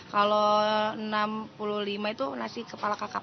kalau enam puluh lima itu nasi kepala kakap